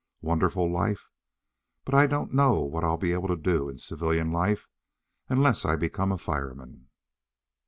Wonderful life! But I don't know what I'll be able to do in civilian life unless I become a fireman!